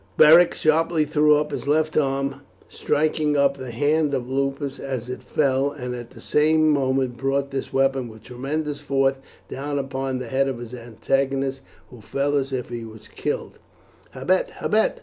Beric sharply threw up his left arm, striking up the hand of Lupus as it fell, and at the same moment brought his weapon with tremendous force down upon the head of his antagonist, who fell as if killed. "Habet, habet!"